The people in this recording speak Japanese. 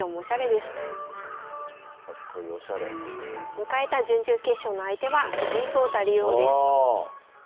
迎えた準々決勝の相手は藤井聡太竜王です。